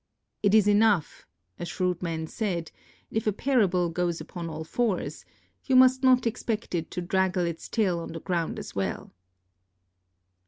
' It is enough ', a shrewd man said, ' if a parable goes upon all fours ; you must not expect it to draggle its tail on the ground as well.'